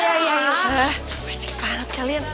wah berisik banget kalian